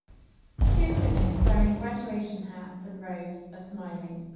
Two women wearing graduation hats and robes are smiling.